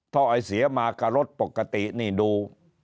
ไอเสียมากับรถปกตินี่ดู